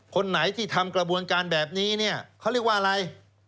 คนไหนที่ทำกระบวนการแบบนี้เนี่ยเขาเรียกว่าอะไร